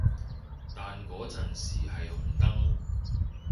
但嗰陣時係紅燈